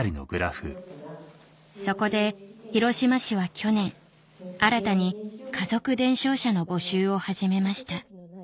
そこで広島市は去年新たに家族伝承者の募集を始めました